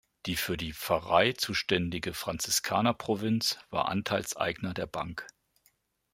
Die für die Pfarrei zuständige Franziskanerprovinz war Anteilseigner der Bank.